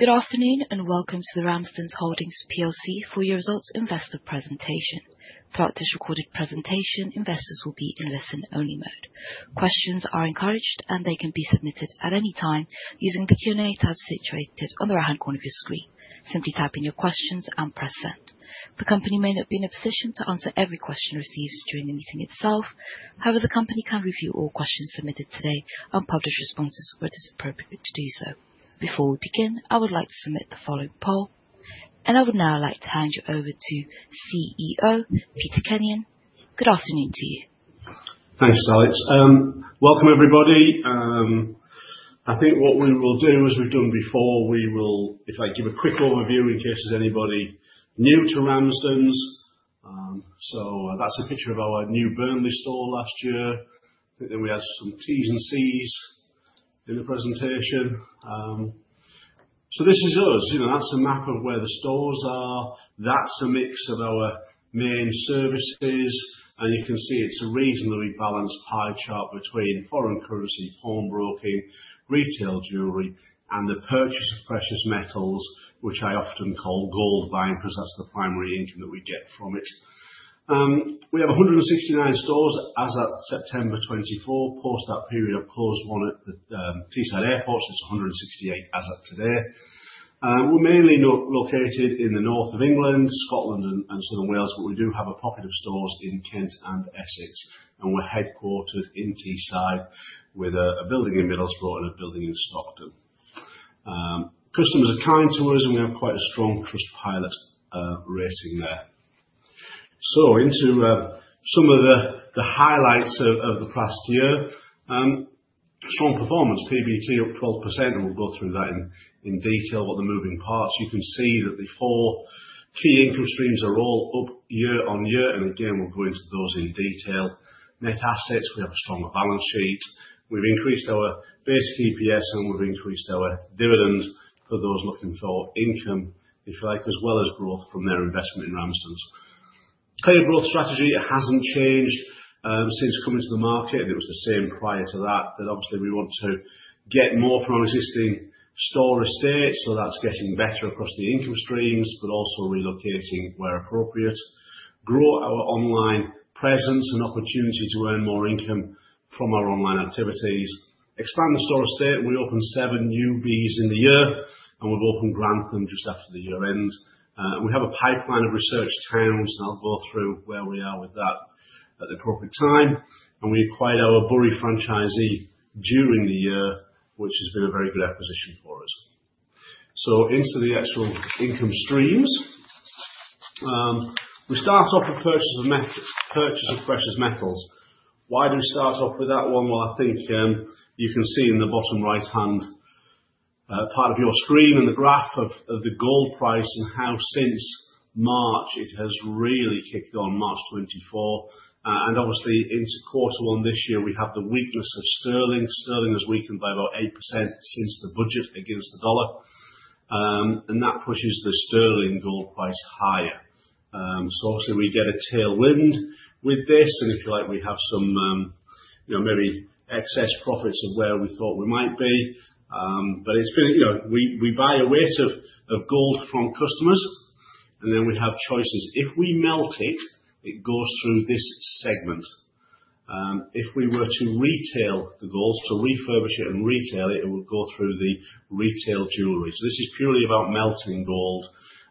Good afternoon and welcome to the Ramsdens Holdings PLC full year results investor presentation. Throughout this recorded presentation, investors will be in listen-only mode. Questions are encouraged, and they can be submitted at any time using the Q&A tab situated on the right-hand corner of your screen. Simply type in your questions and press Send. The company may not be in a position to answer every question received during the meeting itself. However, the company can review all questions submitted today and publish responses where it is appropriate to do so. Before we begin, I would like to submit the following poll. I would now like to hand you over to CEO Peter Kenyon. Good afternoon to you. Thanks, Alex. Welcome everybody. I think what we will do as we've done before, if I give a quick overview in case there's anybody new to Ramsdens. That's a picture of our new Burnley store last year. I think then we had some T's and C's in the presentation. This is us. You know, that's a map of where the stores are. That's a mix of our main services, and you can see it's a reasonably balanced pie chart between foreign currency, pawnbroking, retail jewelry, and the purchase of precious metals, which I often call gold buying because that's the primary income that we get from it. We have 169 stores as of September 24. Post that period, closed one at the Teesside Airport, so it's 168 as of today. We're mainly located in the north of England, Scotland and Southern Wales, but we do have a pocket of stores in Kent and Essex, and we're headquartered in Teesside with a building in Middlesbrough and a building in Stockton. Customers are coming to us, and we have quite a strong Trustpilot rating there. Into some of the highlights of the past year. Strong performance, PBT up 12%, and we'll go through that in detail with the moving parts. You can see that the four key income streams are all up year-over-year, and again, we'll go into those in detail. Net assets, we have a stronger balance sheet. We've increased our base EPS, and we've increased our dividend for those looking for income, if you like, as well as growth from their investment in Ramsdens. Clear growth strategy, it hasn't changed since coming to the market, and it was the same prior to that. Obviously, we want to get more from our existing store estate, so that's getting better across the income streams, but also relocating where appropriate. Grow our online presence and opportunity to earn more income from our online activities. Expand the store estate. We opened 7 new branches in the year, and we've opened Grantham just after the year end. We have a pipeline of researched towns, and I'll go through where we are with that at the appropriate time. We acquired our Bury franchisee during the year, which has been a very good acquisition for us. Into the actual income streams. We start off with purchase of precious metals. Why do we start off with that one? Well, I think you can see in the bottom right-hand part of your screen in the graph of the gold price and how since March it has really kicked on, March 2024. Obviously into quarter one this year, we have the weakness of sterling. Sterling has weakened by about 8% since the budget against the US dollar. That pushes the sterling gold price higher. Obviously we get a tailwind with this and if you like, we have some, you know, maybe excess profits of where we thought we might be. It's been, you know, we buy a weight of gold from customers, and then we have choices. If we melt it goes through this segment. If we were to retail the gold, so refurbish it and retail it would go through the retail jewelry. This is purely about melting gold,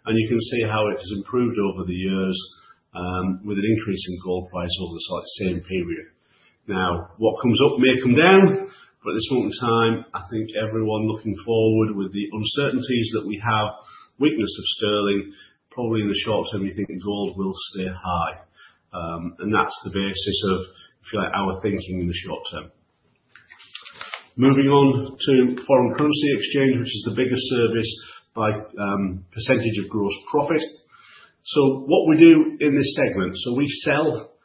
and you can see how it has improved over the years, with an increase in gold price over the same period. Now, what comes up may come down, but at this point in time, I think everyone looking forward with the uncertainties that we have, weakness of sterling, probably in the short term, you're thinking gold will stay high. That's the basis of, if you like, our thinking in the short term. Moving on to foreign currency exchange, which is the biggest service by percentage of gross profit. What we do in this segment, we sell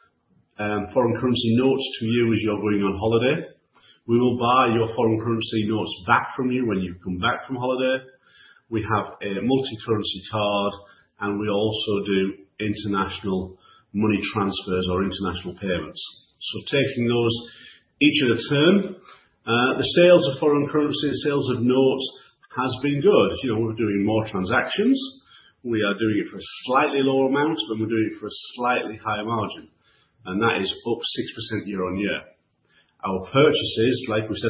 foreign currency notes to you as you're going on holiday. We will buy your foreign currency notes back from you when you come back from holiday. We have a multicurrency card, and we also do international money transfers or international payments. Taking those each in turn. The sales of foreign currency, the sales of notes has been good. You know, we're doing more transactions. We are doing it for a slightly lower amount, and we're doing it for a slightly higher margin, and that is up 6% year-on-year. Our purchases, like we said,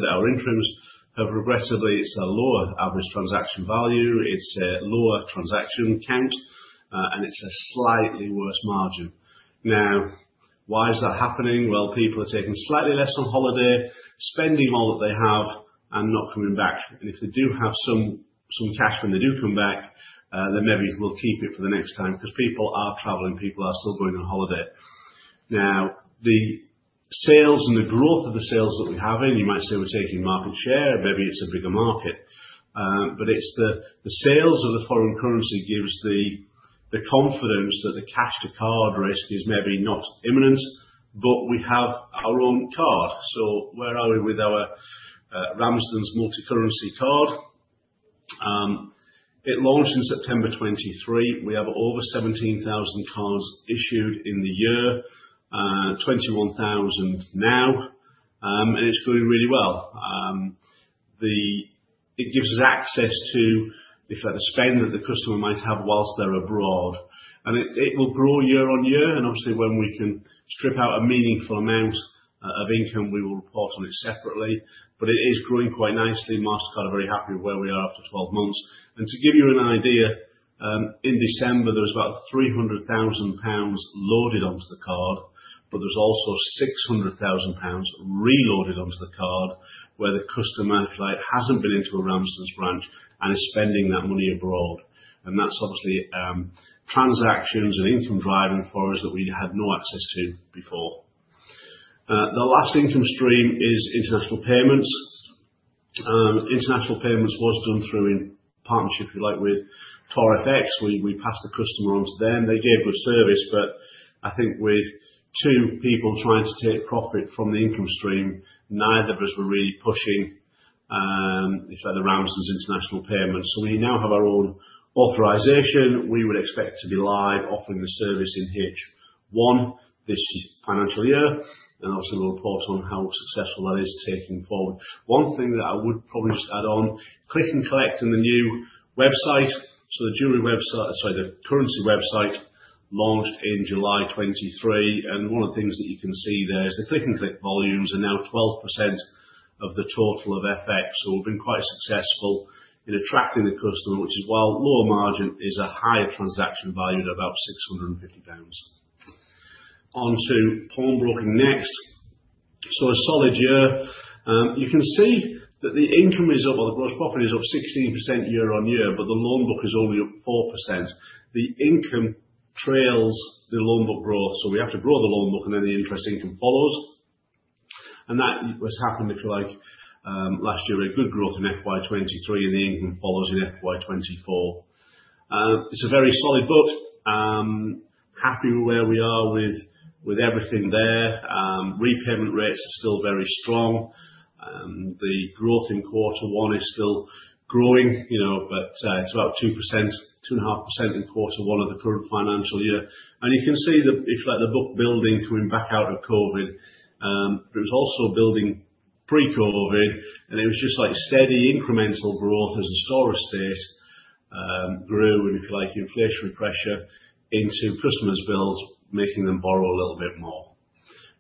it's a lower average transaction value, it's a lower transaction count, and it's a slightly worse margin. Now, why is that happening? Well, people are taking slightly less on holiday, spending more than they have and not coming back. If they do have some cash when they do come back, then maybe we'll keep it for the next time because people are traveling, people are still going on holiday. Now, the sales and the growth of the sales that we're having, you might say we're taking market share, maybe it's a bigger market. It's the sales of the foreign currency gives the confidence that the cash to card risk is maybe not imminent, but we have our own card. Where are we with our Ramsdens multicurrency card? It launched in September 2023. We have over 17,000 cards issued in the year. 21,000 now. It's doing really well. It gives us access to, if you like, the spend that the customer might have while they're abroad. It will grow year on year, and obviously when we can strip out a meaningful amount of income, we will report on it separately. It is growing quite nicely. Mastercard are very happy with where we are after 12 months. To give you an idea, in December, there was about 300,000 pounds loaded onto the card, but there was also 600,000 pounds reloaded onto the card, where the customer, if you like, hasn't been into a Ramsdens branch and is spending that money abroad. That's obviously transactions and income driving for us that we had no access to before. The last income stream is international payments. International payments was done through a partnership, if you like, with TorFX. We passed the customer on to them. They gave good service, but I think with two people trying to take profit from the income stream, neither of us were really pushing, if you like, the Ramsdens international payments. We now have our own authorization. We would expect to be live offering the service in H1 this financial year, and obviously we'll report on how successful that is taking forward. One thing that I would probably just add on, click and collect and the new website. The currency website launched in July 2023, and one of the things that you can see there is the click and collect volumes are now 12% of the total of FX. We've been quite successful in attracting the customer, which is while lower margin is a higher transaction value at about 650 pounds. On to pawnbroking next. A solid year. You can see that the income is up, or the gross profit is up 16% year-on-year, but the loan book is only up 4%. The income trails the loan book growth. We have to grow the loan book, and then the interest income follows. That was happened, if you like, last year. A good growth in FY 2023, and the income follows in FY 2024. It's a very solid book. Happy with where we are with everything there. Repayment rates are still very strong. The growth in quarter one is still growing, you know, but it's about 2%-2.5% in quarter one of the current financial year. You can see the, if you like, the book building coming back out of COVID. It was also building pre-COVID, and it was just like steady incremental growth as the store estate grew and, if you like, inflationary pressure into customers' bills, making them borrow a little bit more.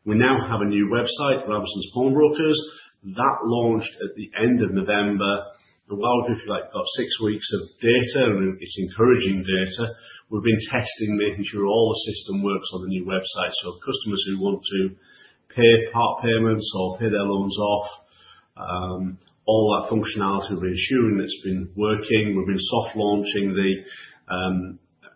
We now have a new website, Ramsdens Pawnbrokers. That launched at the end of November. While we've, like, got six weeks of data, and it's encouraging data, we've been testing making sure all the system works on the new website. Customers who want to pay part payments or pay their loans off, all that functionality, we've been ensuring it's been working. We've been soft launching the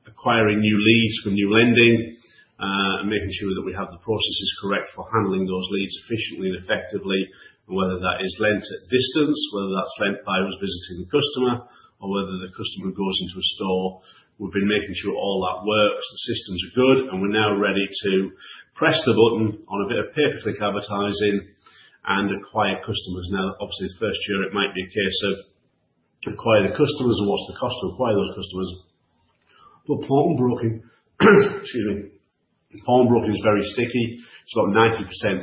acquiring new leads for new lending, and making sure that we have the processes correct for handling those leads efficiently and effectively, and whether that is lent at distance, whether that's lent by us visiting the customer, or whether the customer goes into a store. We've been making sure all that works, the systems are good, and we're now ready to press the button on a bit of pay-per-click advertising and acquire customers. Now, obviously, the first year it might be a case of acquire the customers and what's the cost of acquiring those customers. But pawnbroking, excuse me, pawnbroking is very sticky. It's about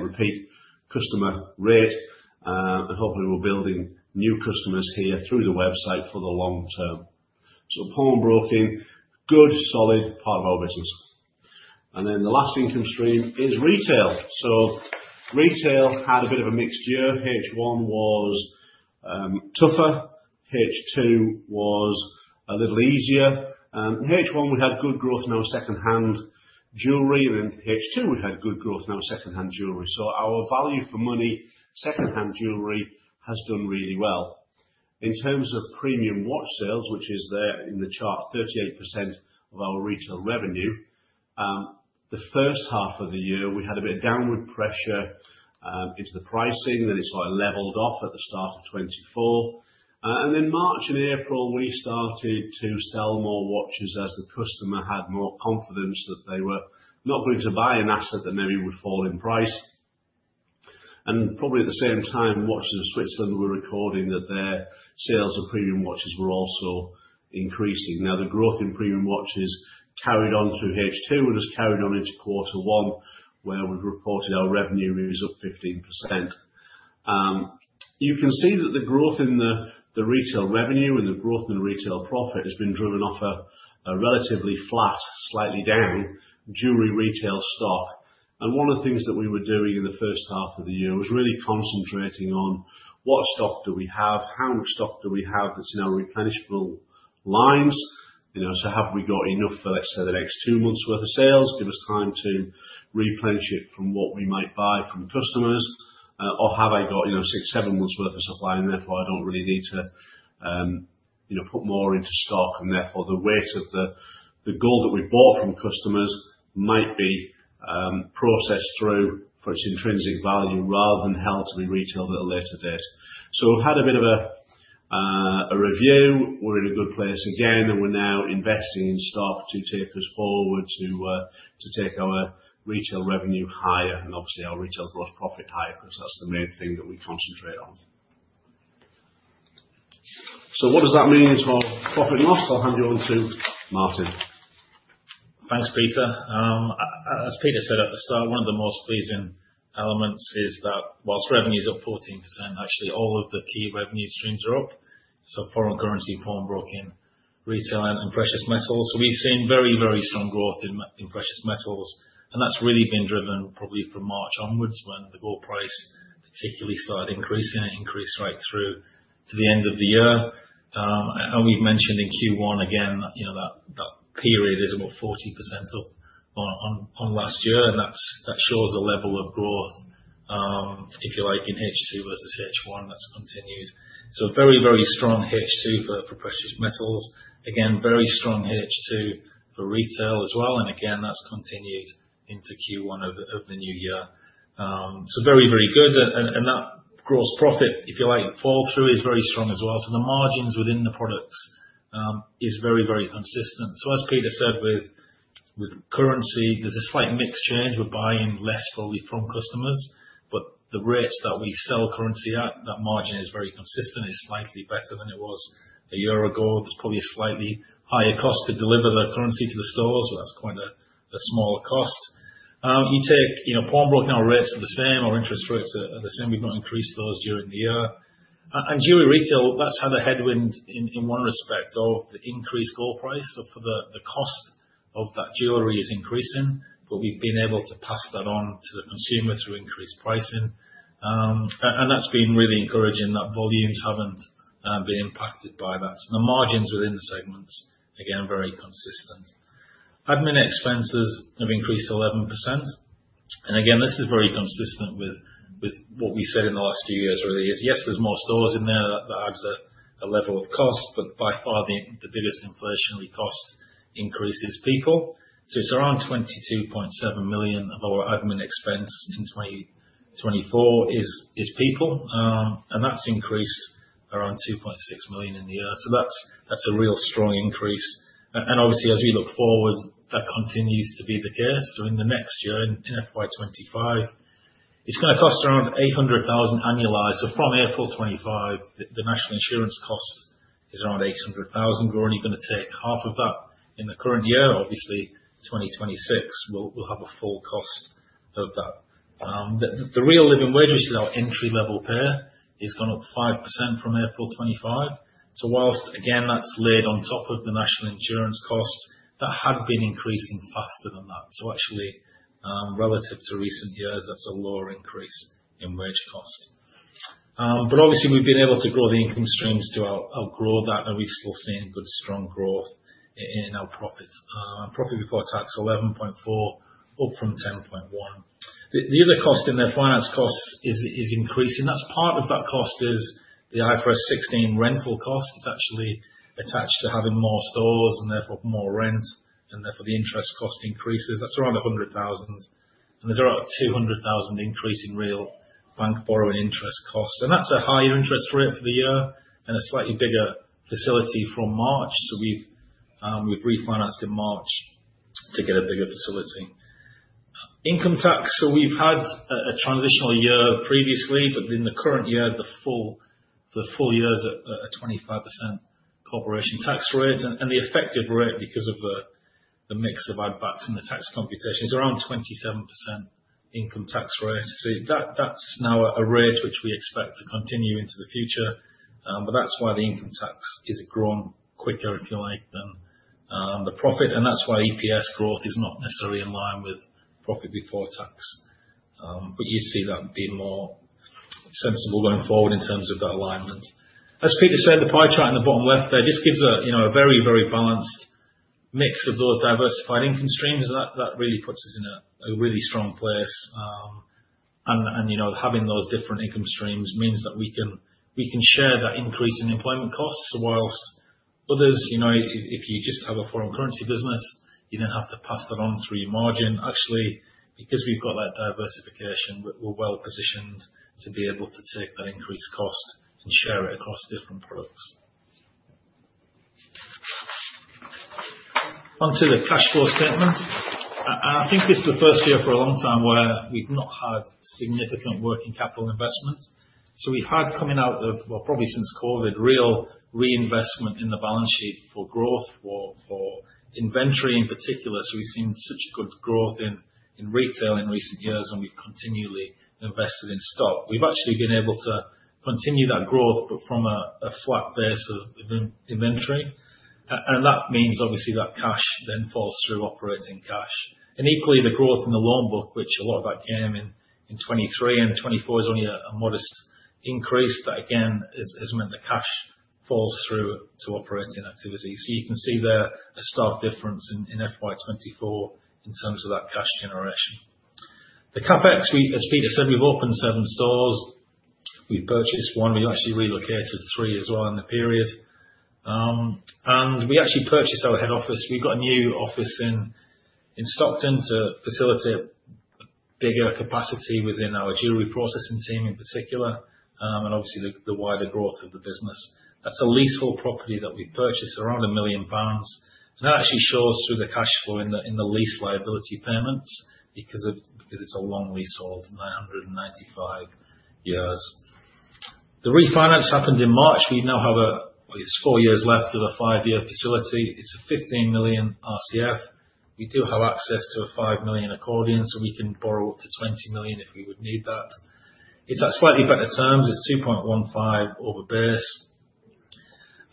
90% repeat customer rate. Hopefully, we're building new customers here through the website for the long term. Pawnbroking, good, solid part of our business. Then the last income stream is retail. Retail had a bit of a mixed year. H1 was tougher. H2 was a little easier. H1, we had good growth in our second-hand jewelry, and in H2, we had good growth in our second-hand jewelry. Our value for money second-hand jewelry has done really well. In terms of premium watch sales, which is there in the chart, 38% of our retail revenue, the H1 of the year, we had a bit of downward pressure into the pricing, then it sort of leveled off at the start of 2024. And in March and April, we started to sell more watches as the customer had more confidence that they were not going to buy an asset that maybe would fall in price. And probably at the same time, Watches of Switzerland were recording that their sales of premium watches were also increasing. Now, the growth in premium watches carried on through H2 and has carried on into quarter one, where we've reported our revenue was up 15%. You can see that the growth in the retail revenue and the growth in retail profit has been driven off a relatively flat, slightly down jewelry retail stock. One of the things that we were doing in the H1 of the year was really concentrating on what stock do we have, how much stock do we have that's in our replenishable lines. You know, so have we got enough for, let's say, the next two months worth of sales, give us time to replenish it from what we might buy from customers? Or have I got, you know, 6-7 months worth of supply and therefore I don't really need to, you know, put more into stock and therefore the weight of the gold that we bought from customers might be processed through for its intrinsic value rather than held to be retailed at a later date. We've had a bit of a review. We're in a good place again, and we're now investing in stock to take us forward to take our retail revenue higher and obviously our retail gross profit higher 'cause that's the main thing that we concentrate on. What does that mean for profit and loss? I'll hand you on to Martin. Thanks, Peter. As Peter said at the start, one of the most pleasing elements is that whilst revenue's up 14%, actually all of the key revenue streams are up, so foreign currency, pawnbroking, retail and precious metals. We've seen very strong growth in precious metals, and that's really been driven probably from March onwards when the gold price particularly started increasing. It increased right through to the end of the year. We've mentioned in Q1, again, that period is about 40% up on last year. That's that shows the level of growth, if you like, in H2 versus H1. That's continued. Very strong H2 for precious metals. Again, very strong H2 for retail as well. Again, that's continued into Q1 of the new year. Very, very good. That gross profit, if you like, fall through is very strong as well. The margins within the products is very, very consistent. As Peter said, with currency, there's a slight mix change. We're buying less FX from customers, but the rates that we sell currency at, that margin is very consistent. It's slightly better than it was a year ago. There's probably a slightly higher cost to deliver the currency to the stores, but that's quite a smaller cost. You take, you know, pawnbroking, our rates are the same, our interest rates are the same. We've not increased those during the year. And jewelry retail, that's had a headwind in one respect of the increased gold price. For the cost of that jewelry is increasing, but we've been able to pass that on to the consumer through increased pricing. And that's been really encouraging that volumes haven't been impacted by that. The margins within the segments, again, very consistent. Admin expenses have increased 11%. Again, this is very consistent with what we said in the last few years, really, is yes, there's more stores in there. That adds a level of cost, but by far the biggest inflationary cost increase is people. It's around 22.7 million of our admin expense in 2024 is people. And that's increased around 2.6 million in the year. That's a real strong increase. Obviously, as we look forward, that continues to be the case. In the next year, in FY 2025, it's gonna cost around 800,000 annualized. From April 2025, the National Insurance cost is around 800,000. We're only gonna take half of that in the current year. Obviously, 2026 we'll have a full cost of that. The Real Living Wage, which is our entry level pay, is going up 5% from April 2025. Whilst again, that's layered on top of the National Insurance cost, that had been increasing faster than that. Actually, relative to recent years, that's a lower increase in wage cost. Obviously we've been able to grow the income streams to outgrow that, and we've still seen good, strong growth in our profits. Profit before tax 11.4, up from 10.1. The other cost in there, finance costs is increasing. That's part of that cost is the IFRS 16 rental cost. It's actually attached to having more stores and therefore more rent and therefore the interest cost increases. That's around 100,000. There's about 200,000 increase in real bank borrowing interest costs. That's a higher interest rate for the year and a slightly bigger facility from March. We've refinanced in March to get a bigger facility. Income tax. We've had a transitional year previously, but in the current year, the full year's at a 25% corporation tax rate. The effective rate, because of the mix of add backs in the tax computation, is around 27% income tax rate. That's now a rate which we expect to continue into the future. That's why the income tax has grown quicker, if you like, than the profit. That's why EPS growth is not necessarily in line with profit before tax. You see that being more sensible going forward in terms of that alignment. As Peter said, the pie chart in the bottom left there just gives a you know a very very balanced mix of those diversified income streams. That really puts us in a really strong place. You know having those different income streams means that we can share that increase in employment costs, whilst others you know if you just have a foreign currency business, you're gonna have to pass that on through your margin. Actually, because we've got that diversification, we're well positioned to be able to take that increased cost and share it across different products. Onto the cash flow statement. I think this is the first year for a long time where we've not had significant working capital investment. We've had coming out of, well, probably since COVID, real reinvestment in the balance sheet for growth, for inventory in particular. We've seen such good growth in retail in recent years, and we've continually invested in stock. We've actually been able to continue that growth but from a flat base of inventory. That means obviously that cash then falls through operating cash. Equally, the growth in the loan book, which a lot of that came in 2023 and 2024 is only a modest increase. That again has meant the cash falls through to operating activity. You can see there a stark difference in FY 2024 in terms of that cash generation. The CapEx, as Peter said, we've opened seven stores. We've purchased one. We actually relocated three as well in the period. And we actually purchased our head office. We've got a new office in Stockton to facilitate bigger capacity within our jewelry processing team in particular, and obviously the wider growth of the business. That's a leasehold property that we purchased, around 1 million pounds. That actually shows through the cash flow in the lease liability payments because it's a long leasehold, 995 years. The refinance happened in March. We now have 4 years left of a 5-year facility. It's a 15 million RCF. We do have access to a 5 million accordion, so we can borrow up to 20 million if we would need that. It's at slightly better terms. It's 2.15 over base.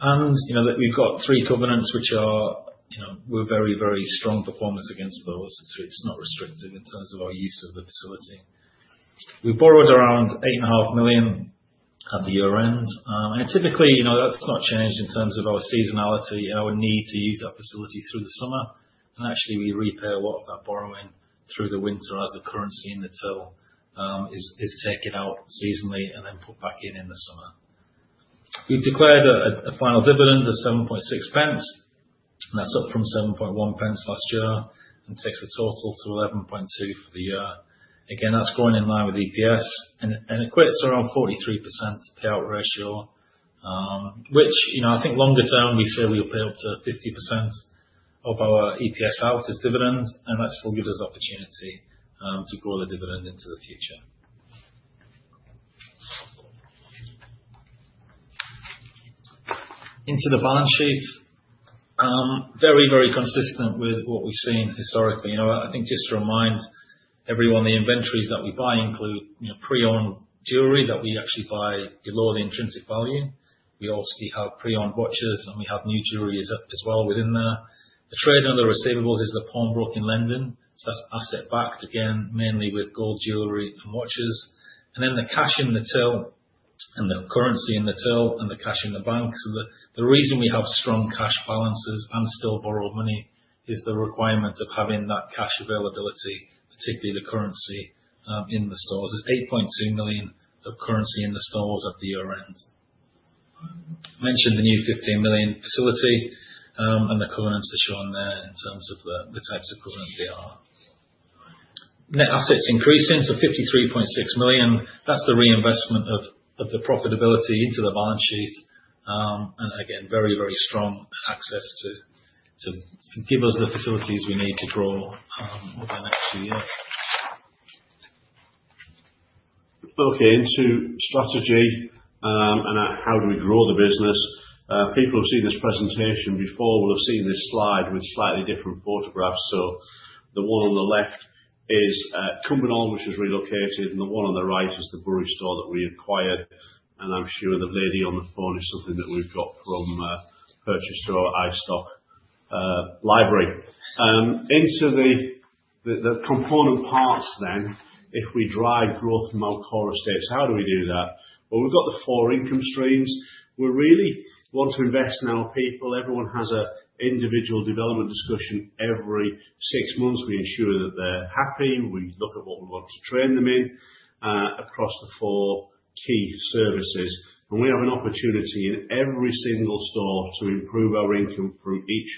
You know, we've got 3 covenants which are, you know, we're very, very strong performance against those. It's not restrictive in terms of our use of the facility. We borrowed around 8.5 million at the year-end. Typically, you know, that's not changed in terms of our seasonality and our need to use that facility through the summer, and actually we repay a lot of that borrowing through the winter as the currency in the till is taken out seasonally and then put back in in the summer. We've declared a final dividend of 0.076, and that's up from 0.071 last year and takes the total to 0.112 for the year. Again, that's going in line with EPS and equates to around 43% payout ratio, which, you know, I think longer term we say we'll pay up to 50% of our EPS out as dividends, and that still gives us opportunity to grow the dividend into the future. Into the balance sheet. Very consistent with what we've seen historically. You know, I think just to remind everyone, the inventories that we buy include, you know, pre-owned jewelry that we actually buy below the intrinsic value. We obviously have pre-owned watches, and we have new jewelry as well within there. The trade on the receivables is the pawnbroking lending, so that's asset backed again mainly with gold jewelry and watches. Then the cash in the till and the currency in the till and the cash in the bank. The reason we have strong cash balances and still borrow money is the requirement of having that cash availability, particularly the currency, in the stores. There's 8.2 million of currency in the stores at the year-end. mentioned the new 15 million facility, and the covenants are shown there in terms of the types of covenant we are. Net assets increasing to 53.6 million. That's the reinvestment of the profitability into the balance sheet. And again, very strong access to give us the facilities we need to grow over the next few years. Okay, into strategy, how do we grow the business. People who have seen this presentation before will have seen this slide with slightly different photographs. So the one on the left is at Cumbernauld, which is relocated, and the one on the right is the Bury store that we acquired. I'm sure the lady on the phone is something that we've got from a purchased store, iStock, library. Into the component parts if we drive growth from our core estates, how do we do that? Well, we've got the four income streams. We really want to invest in our people. Everyone has an individual development discussion every six months. We ensure that they're happy. We look at what we want to train them in, across the four key services. We have an opportunity in every single store to improve our income from each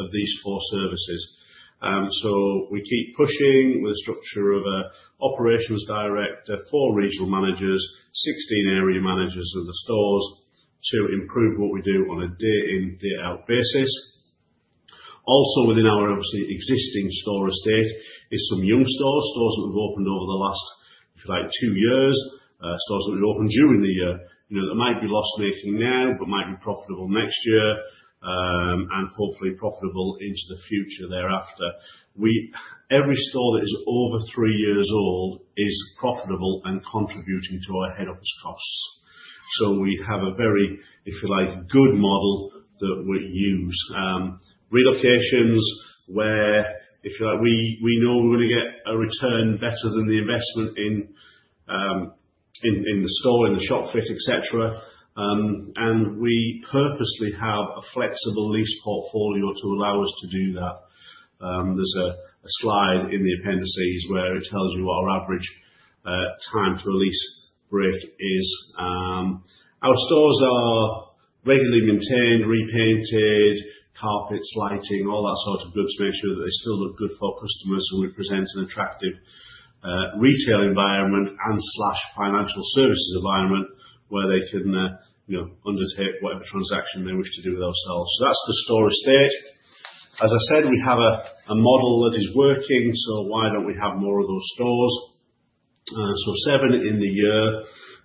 of these four services. We keep pushing the structure of an operations director, four regional managers, 16 area managers of the stores to improve what we do on a day in, day out basis. Also within our obviously existing store estate is some young stores that we've opened over the last, if you like, two years. Stores that we've opened during the year, you know, that might be loss-making now but might be profitable next year, and hopefully profitable into the future thereafter. Every store that is over 3 years old is profitable and contributing to our head office costs. We have a very, if you like, good model that we use. Relocations where, if you like, we know we're going to get a return better than the investment in the store, in the shop fit, et cetera. We purposely have a flexible lease portfolio to allow us to do that. There's a slide in the appendices where it tells you our average time to re-lease break is. Our stores are regularly maintained, repainted, carpets, lighting, all that sort of goods to make sure that they still look good for our customers and we present an attractive retail environment and slash financial services environment where they can, you know, undertake whatever transaction they wish to do with ourselves. That's the store estate. As I said, we have a model that is working, so why don't we have more of those stores? Seven in the year.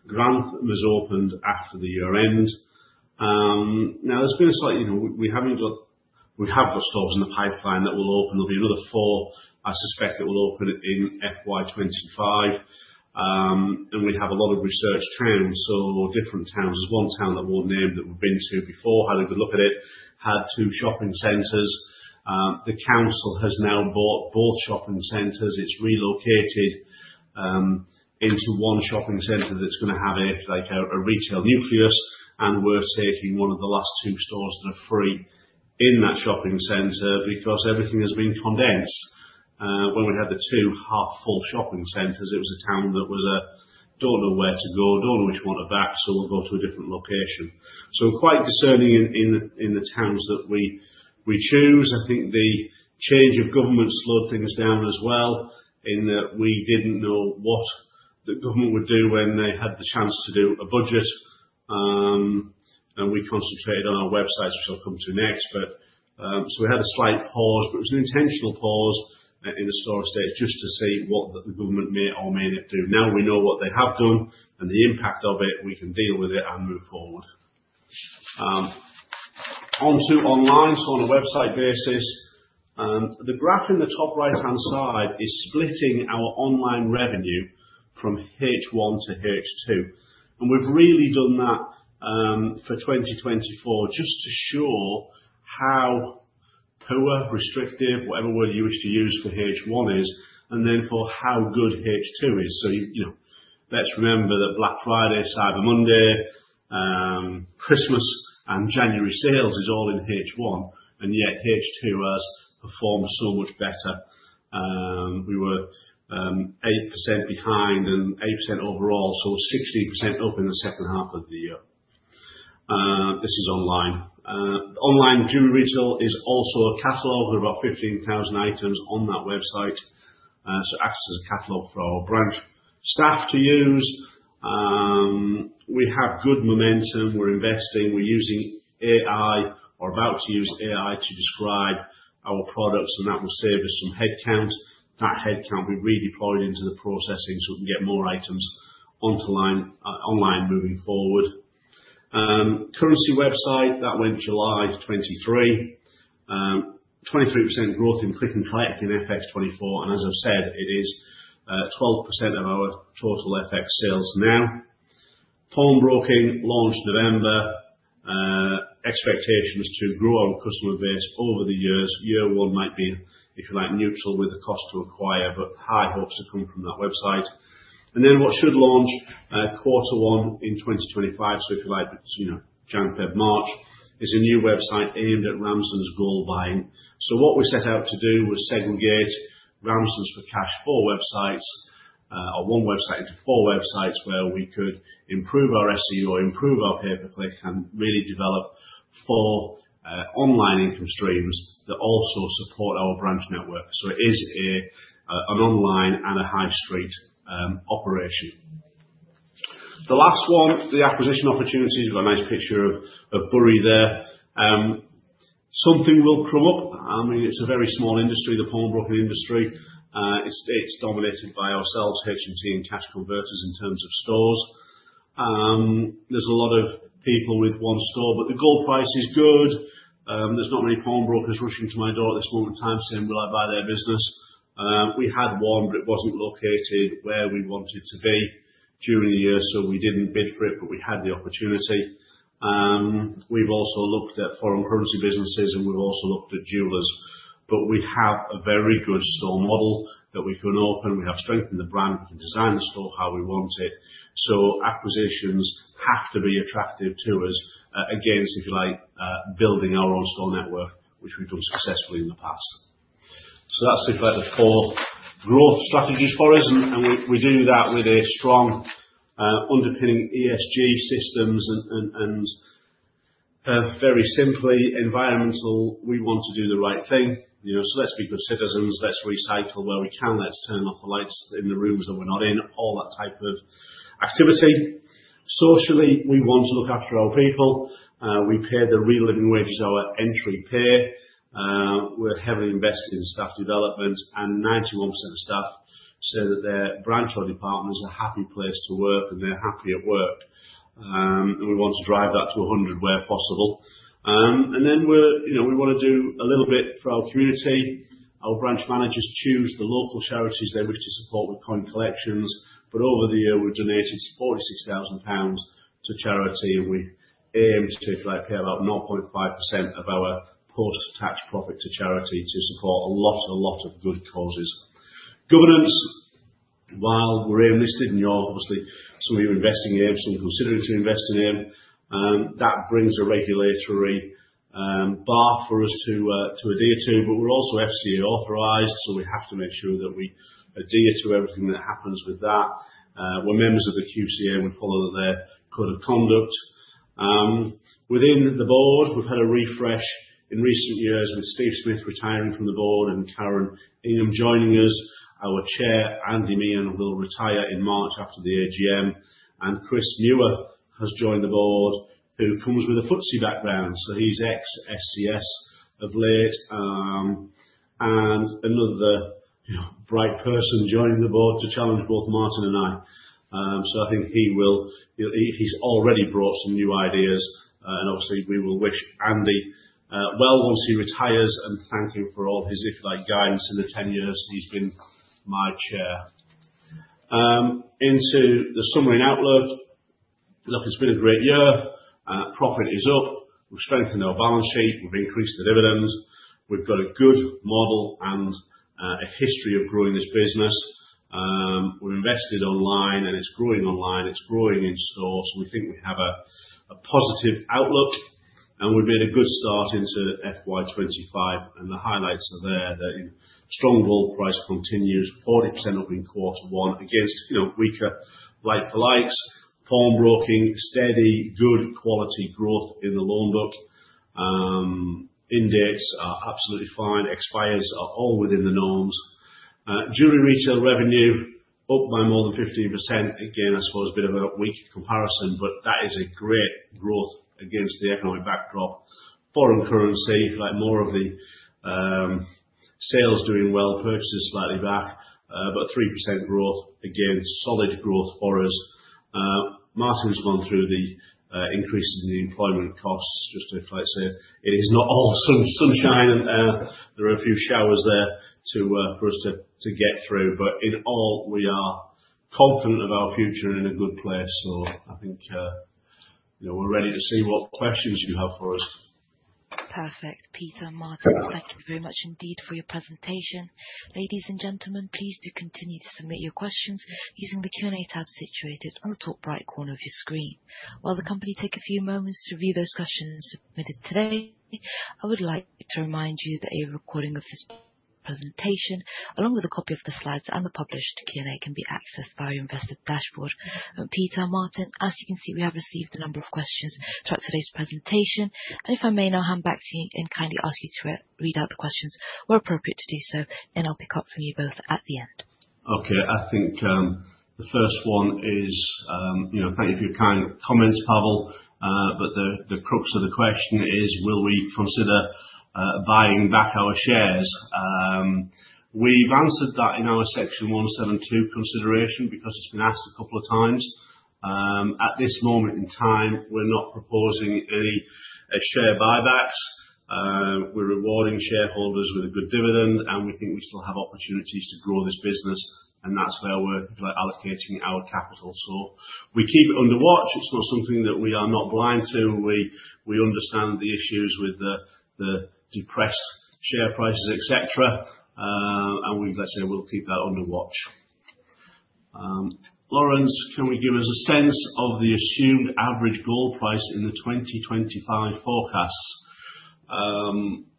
Grantham was opened after the year-end. Now there's been a slight, you know, we have got stores in the pipeline that will open. There'll be another four I suspect that will open in FY 2025. We have a lot of research towns or different towns. There's one town that I won't name that we've been to before, had a good look at it, had two shopping centers. The council has now bought both shopping centers. It's relocated into one shopping center that's gonna have a retail nucleus, and we're safely one of the last two stores that are free in that shopping center because everything has been condensed. When we had the two half full shopping centers, it was a town that was a, "Don't know where to go. Don't know which one to back, so we'll go to a different location." Quite discerning in the towns that we choose. I think the change of government slowed things down as well in that we didn't know what the government would do when they had the chance to do a budget. We concentrated on our websites, which I'll come to next. We had a slight pause, but it was an intentional pause in the store estate just to see what the government may or may not do. Now we know what they have done and the impact of it, we can deal with it and move forward. Onto online. On a website basis, the graph in the top right-hand side is splitting our online revenue from H1-H2. We've really done that for 2024 just to show how poor, restrictive, whatever word you wish to use for H1 is, and then for how good H2 is. You know, let's remember that Black Friday, Cyber Monday, Christmas, and January sales is all in H1, and yet H2 has performed so much better. We were 8% behind and 8% overall, so 60% up in the H2 of the year. This is online. Online jewelry retail is also a catalog. There are about 15,000 items on that website, so it acts as a catalog for our branch staff to use. We have good momentum. We're investing. We're using AI or about to use AI to describe our products, and that will save us some headcount. That headcount will be redeployed into the processing so we can get more items online moving forward. Currency website that went July 2023. 23% growth in click and collect in FX 2024. As I've said, it is 12% of our total FX sales now. Pawnbroking launched November. Expectation was to grow our customer base over the years. Year one might be, if you like, neutral with the cost to acquire, but high hopes are coming from that website. What should launch quarter 1 in 2025, if you like, you know, January, February, March, is a new website aimed at Ramsdens gold buying. What we set out to do was segregate Ramsdens For Cash into 4 websites or one website into 4 websites where we could improve our SEO, improve our pay-per-click, and really develop 4 online income streams that also support our branch network. It is an online and a high street operation. The last one, the acquisition opportunities. We have a nice picture of Bury there. Something will come up. I mean, it's a very small industry, the pawnbroking industry. It's dominated by ourselves, H&T, and Cash Converters in terms of stores. There's a lot of people with one store, but the gold price is good. There's not many pawnbrokers rushing to my door at this moment in time saying will I buy their business. We had one, but it wasn't located where we want it to be during the year, so we didn't bid for it, but we had the opportunity. We've also looked at foreign currency businesses, and we've also looked at jewelers. We have a very good store model that we can open. We have strength in the brand. We can design the store how we want it. Acquisitions have to be attractive to us, against, if you like, building our own store network, which we've done successfully in the past. That's in fact the four growth strategies for us. We do that with a strong underpinning ESG systems and very simply environmental, we want to do the right thing. You know, let's be good citizens. Let's recycle where we can. Let's turn off the lights in the rooms that we're not in. All that type of activity. Socially, we want to look after our people. We pay the Real Living Wage as our entry pay. We're heavily invested in staff development, and 91% of staff say that their branch or department is a happy place to work, and they're happy at work. We want to drive that to 100 where possible. We're, you know, we wanna do a little bit for our community. Our branch managers choose the local charities they wish to support with coin collections. Over the year, we've donated 46,000 pounds to charity, and we aim to pay about 0.5% of our post-tax profit to charity to support a lot of good causes. Governance. While we're AIM listed, and you're obviously, some of you are investing in, some of you considering to invest in, that brings a regulatory bar for us to adhere to. We're also FCA authorized, so we have to make sure that we adhere to everything that happens with that. We're members of the QCA. We follow their code of conduct. Within the board, we've had a refresh in recent years with Stephen Smith retiring from the board and Karen Ingham joining us. Our chair, Andrew Meehan, will retire in March after the AGM. Chris Mayfield has joined the board, who comes with a FTSE background, so he's ex-FCIS of late. Another, you know, bright person joining the board to challenge both Martin and I. I think he will. He's already brought some new ideas. Obviously, we will wish Andy well once he retires, and thank him for all his invaluable guidance in the 10 years he's been my chair. Into the summary and outlook. Look, it's been a great year. Profit is up. We've strengthened our balance sheet. We've increased the dividends. We've got a good model and a history of growing this business. We've invested online, and it's growing online. It's growing in stores. We think we have a positive outlook, and we've made a good start into FY 2025. The highlights are there, that is, strong gold price continues 40% up in quarter one against, you know, weaker like-for-likes, pawnbroking, steady, good quality growth in the loan book. End dates are absolutely fine. Expiry dates are all within the norms. Jewelry retail revenue up by more than 15%. Again, I suppose a bit of a weak comparison, but that is a great growth against the economic backdrop. Foreign currency, if you like, more of the sales doing well, purchases slightly back, but 3% growth. Again, solid growth for us. Martin's gone through the increases in the employment costs. Just to say it is not all sunshine and there are a few showers there too for us to get through. In all, we are confident of our future in a good place. I think, you know, we're ready to see what questions you have for us. Perfect. Peter, Martin, thank you very much indeed for your presentation. Ladies and gentlemen, please do continue to submit your questions using the Q&A tab situated on the top right corner of your screen. While the company take a few moments to review those questions submitted today, I would like to remind you that a recording of this presentation, along with a copy of the slides and the published Q&A, can be accessed via your investor dashboard. Peter, Martin, as you can see, we have received a number of questions throughout today's presentation. If I may now hand back to you and kindly ask you to re-read out the questions where appropriate to do so, and I'll pick up from you both at the end. Okay. I think the first one is, you know, thank you for your kind comments, Pavel. But the crux of the question is will we consider buying back our shares? We've answered that in our Section 172 consideration because it's been asked a couple of times. At this moment in time, we're not proposing any share buybacks. We're rewarding shareholders with a good dividend, and we think we still have opportunities to grow this business, and that's where we're allocating our capital. We keep it under watch. It's not something that we are not blind to. We understand the issues with the depressed share prices, et cetera. And we've said we'll keep that under watch. Lawrence, "Can we give us a sense of the assumed average gold price in the 2025 forecasts?"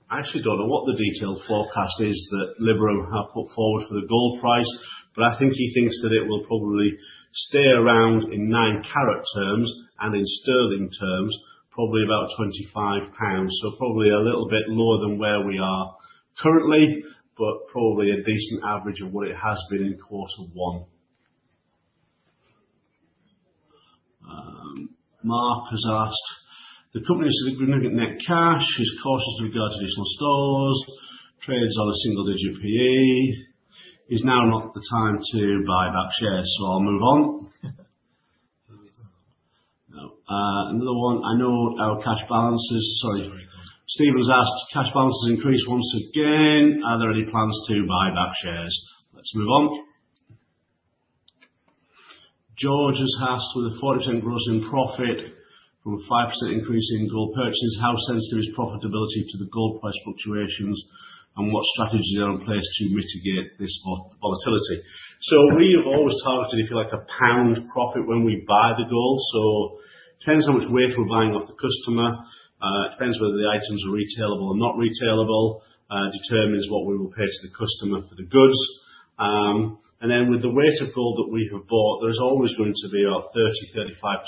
I actually don't know what the detailed forecast is that Liberum have put forward for the gold price, but I think he thinks that it will probably stay around in 9 karat terms and in sterling terms, probably about 25 pounds. Probably a little bit lower than where we are currently, but probably a decent average of what it has been in quarter one. Mark has asked, "The company is looking at net cash, is cautious with regards to additional stores. Trade is on a single digit PE. Is now not the time to buy back shares?" I'll move on. Now, another one. I know our cash balances. Sorry. Stephen's asked, "Cash balances increased once again. Are there any plans to buy back shares?" Let's move on. George has asked, "With a 40% growth in profit from a 5% increase in gold purchases, how sensitive is profitability to the gold price fluctuations, and what strategies are in place to mitigate this volatility?" We have always targeted, if you like, a GBP 1 profit when we buy the gold. Depends how much weight we're buying off the customer, depends whether the items are retailable or not retailable, determines what we will pay to the customer for the goods. And then with the weight of gold that we have bought, there's always going to be our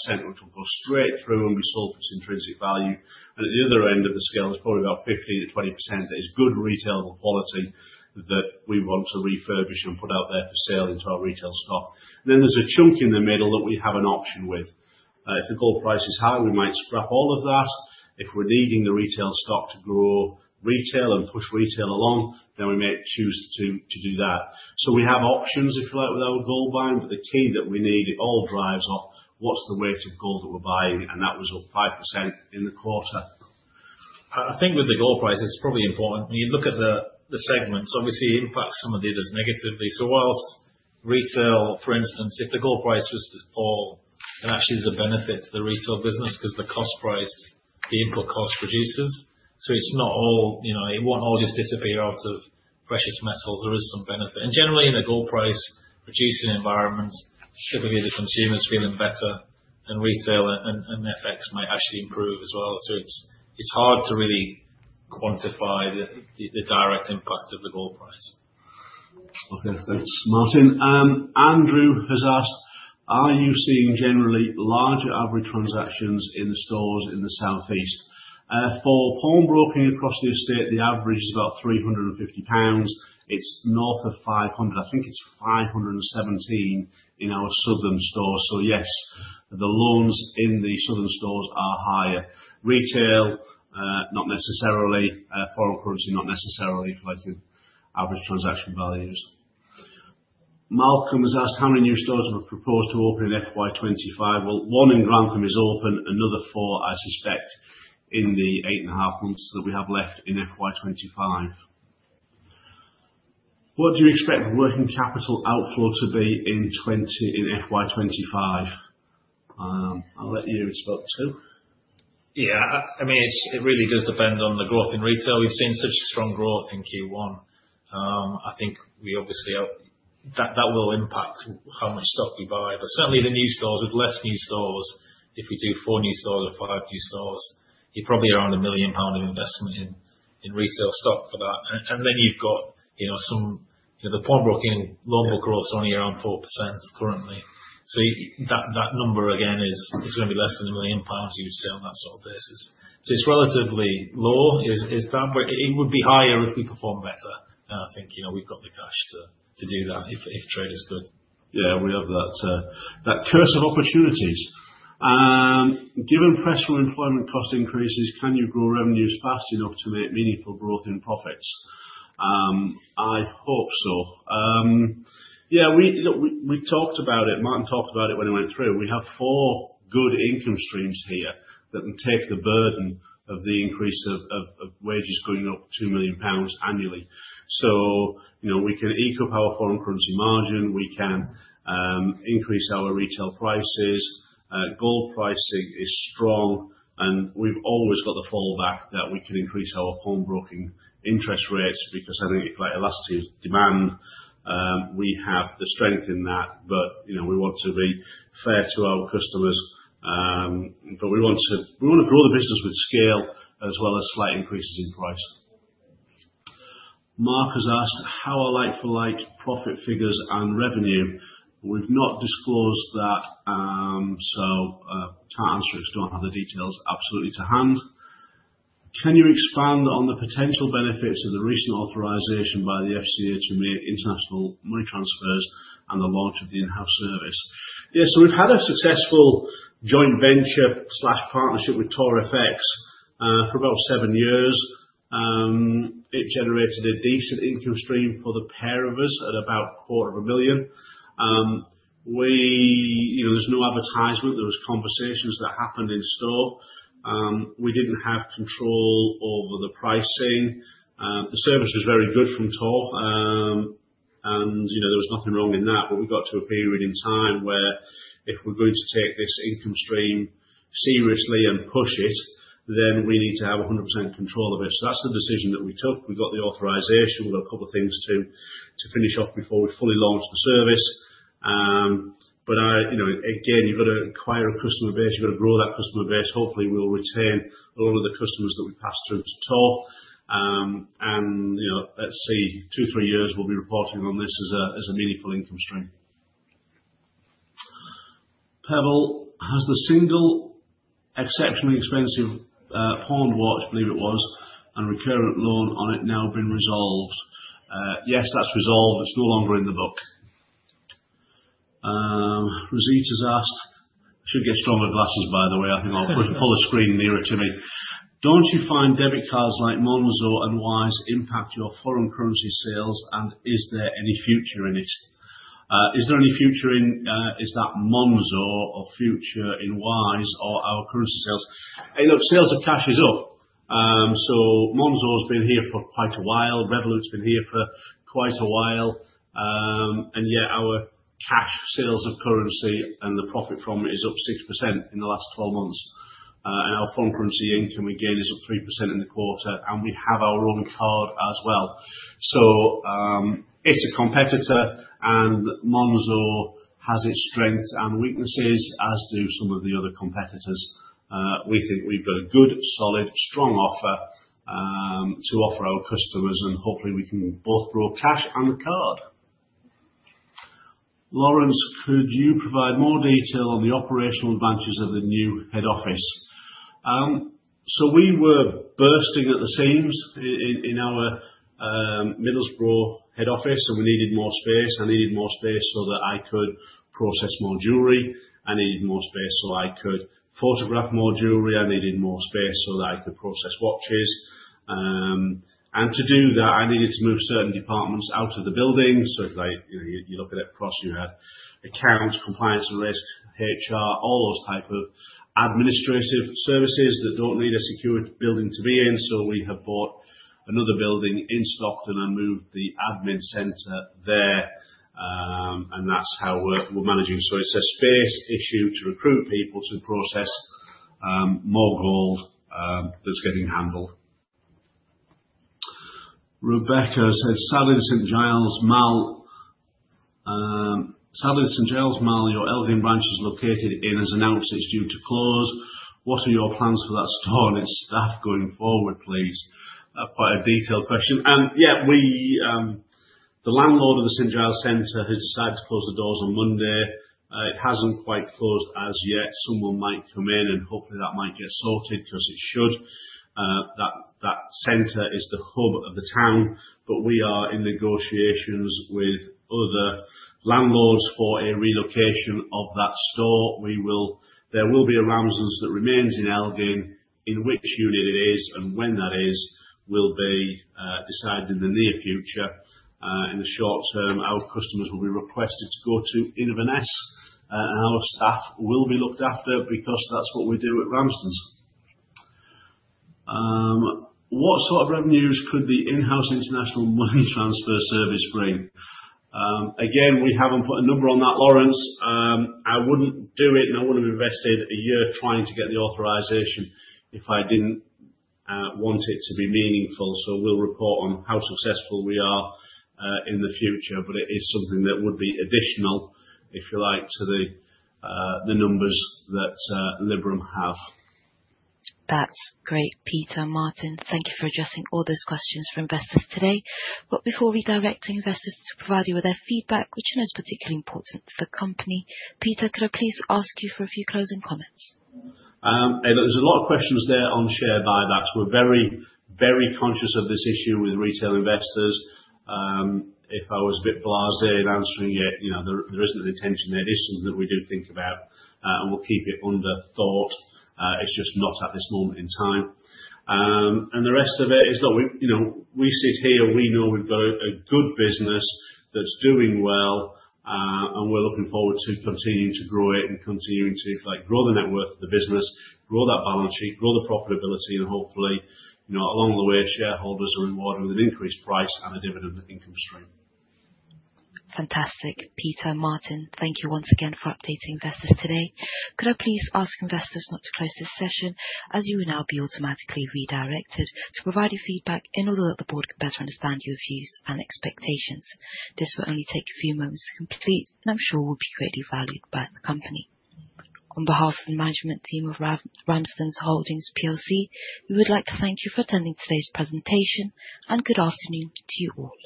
30%-35% which will go straight through and be sold for its intrinsic value. At the other end of the scale, there's probably about 15%-20% that is good retail quality that we want to refurbish and put out there for sale into our retail stock. There's a chunk in the middle that we have an option with. If the gold price is high, we might scrap all of that. If we're needing the retail stock to grow retail and push retail along, then we may choose to do that. We have options, if you like, with our gold buying, but the key that we need, it all drives off what's the weight of gold that we're buying, and that was up 5% in the quarter. I think with the gold price, it's probably important when you look at the segments, obviously it impacts some of the others negatively. While retail, for instance, if the gold price was to fall, it actually is a benefit to the retail business 'cause the cost price, the input cost reduces. It's not all, you know, it won't all just disappear out of precious metals. There is some benefit. Generally in a gold price reducing environment, typically the consumer's feeling better and retail and FX might actually improve as well. It's hard to really quantify the direct impact of the gold price. Okay, thanks, Martin. Andrew has asked, "Are you seeing generally larger average transactions in the stores in the southeast?" For pawnbroking across the estate, the average is about 350 pounds. It's north of 500. I think it's 517 in our southern stores. Yes, the loans in the southern stores are higher. Retail, not necessarily. Foreign currency, not necessarily affecting average transaction values. Malcolm has asked, "How many new stores do you propose to open in FY 2025?" Well, one in Grantham is open. Another four, I suspect, in the eight and a half months that we have left in FY 2025. "What do you expect working capital outflow to be in FY 2025?" I'll let you respond to. Yeah. I mean, it really does depend on the growth in retail. We've seen such strong growth in Q1. I think that will impact how much stock we buy. Certainly the new stores, with less new stores, if we do 4 new stores or 5 new stores, you're probably around 1 million pound of investment in In retail stock for that. Then you've got, you know, some, you know, the pawnbroking loan book growth is only around 4% currently. That number again is gonna be less than 1 million pounds you'd sell on that sort of basis. It's relatively low, is that. It would be higher if we perform better, and I think, you know, we've got the cash to do that if trade is good. Yeah, we have that host of opportunities. Given pressure on employment cost increases, can you grow revenues fast enough to make meaningful growth in profits? I hope so. Yeah, Look, we talked about it. Martin talked about it when he went through. We have four good income streams here that can take the burden of the increase of wages going up 2 million pounds annually. You know, we can leverage foreign currency margin, we can increase our retail prices, gold pricing is strong, and we've always got the fallback that we can increase our pawnbroking interest rates because I think it's quite elastic in demand. We have the strength in that but, you know, we want to be fair to our customers, but we want to grow the business with scale as well as slight increases in price. Mark has asked how are like-for-like profit figures and revenue. We've not disclosed that, so, can't answer it, don't have the details absolutely to hand. Can you expand on the potential benefits of the recent authorization by the FCA to make international money transfers and the launch of the in-house service? Yeah, we've had a successful joint venture/partnership with TorFX for about seven years. It generated a decent income stream for the pair of us at about 0.5 Million. You know, there's no advertisement. There was conversations that happened in store. We didn't have control over the pricing. The service was very good from Tor, and, you know, there was nothing wrong in that. We got to a period in time where if we're going to take this income stream seriously and push it, then we need to have 100% control of it. That's the decision that we took. We got the authorization. We've got a couple things to finish off before we fully launch the service. You know, again, you've got to acquire a customer base, you've got to grow that customer base. Hopefully, we'll retain all of the customers that we pass through to Tor. You know, let's say two, three years we'll be reporting on this as a meaningful income stream. Pavel, has the single exceptionally expensive pawned watch, I believe it was, and recurrent loan on it now been resolved? Yes, that's resolved. It's no longer in the book. Rosie's asked. Should get stronger glasses, by the way. I think I'll pull the screen nearer to me. Don't you find debit cards like Monzo and Wise impact your foreign currency sales, and is there any future in it? Is there any future in Monzo or Wise or our currency sales? Hey, look, cash sales is up. Monzo's been here for quite a while. Revolut's been here for quite a while. Yet our cash sales of currency and the profit from it is up 6% in the last 12 months. Our foreign currency income again is up 3% in the quarter, and we have our own card as well. It's a competitor, and Monzo has its strengths and weaknesses, as do some of the other competitors. We think we've got a good, solid, strong offer to offer our customers, and hopefully we can both grow cash and the card. Lawrence, could you provide more detail on the operational advantages of the new head office? We were bursting at the seams in our Middlesbrough head office, and we needed more space. I needed more space so that I could process more jewelry. I needed more space so I could photograph more jewelry. I needed more space so that I could process watches. To do that, I needed to move certain departments out of the building. If I, you know, you look at it across, you had accounts, compliance and risk, HR, all those type of administrative services that don't need a secured building to be in. We have bought another building in Stockton and moved the admin center there, and that's how we're managing. It's a space issue to recruit people to process more gold, that's getting handled. Rebecca says, St Giles Centre. Giles Centre, your Elgin branch is located in, has announced it's due to close. What are your plans for that store and its staff going forward, please? Quite a detailed question. The landlord of the St Giles Centre has decided to close the doors on Monday. It hasn't quite closed as yet. Someone might come in, and hopefully that might get sorted 'cause it should. That center is the hub of the town. We are in negotiations with other landlords for a relocation of that store. There will be a Ramsdens that remains in Elgin. In which unit it is and when that is will be decided in the near future. In the short term, our customers will be requested to go to Inverness. Our staff will be looked after because that's what we do at Ramsdens. What sort of revenues could the in-house international money transfer service bring? Again, we haven't put a number on that, Lawrence. I wouldn't do it, and I wouldn't have invested a year trying to get the authorization if I didn't want it to be meaningful. So we'll report on how successful we are in the future. It is something that would be additional, if you like, to the numbers that Liberum have. That's great. Peter, Martin, thank you for addressing all those questions from investors today. Before we direct investors to provide you with their feedback, which you know is particularly important for the company, Peter, could I please ask you for a few closing comments? Hey, look, there's a lot of questions there on share buybacks. We're very, very conscious of this issue with retail investors. If I was a bit blasé in answering it, you know, there isn't an intention there. This is something we do think about, and we'll keep it under thought. It's just not at this moment in time. The rest of it is look, we, you know, we sit here, we know we've got a good business that's doing well, and we're looking forward to continuing to grow it and continuing to, if like, grow the net worth of the business, grow that balance sheet, grow the profitability, and hopefully, you know, along the way, shareholders will be rewarded with an increased price and a dividend income stream. Fantastic. Peter, Martin, thank you once again for updating investors today. Could I please ask investors not to close this session, as you will now be automatically redirected to provide your feedback in order that the board can better understand your views and expectations. This will only take a few moments to complete, and I'm sure will be greatly valued by the company. On behalf of the management team of Ramsdens Holdings PLC, we would like to thank you for attending today's presentation, and good afternoon to you all.